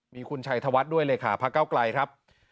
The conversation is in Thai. มีคุณชัยธวัฒน์ด้วยเลขาพระเก้าไกลครับ